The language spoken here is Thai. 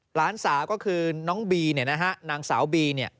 หลานสาวก็คือน้องบีเนี่ยนะฮะนางสาวบีเนี่ย